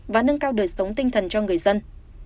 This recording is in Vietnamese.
và nâng cao đời sống tinh thần cho người dân